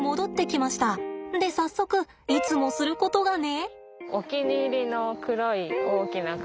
で早速いつもすることがね。